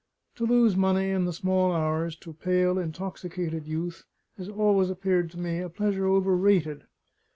To lose money in the small hours to pale, intoxicated youth, has always appeared to me a pleasure overrated.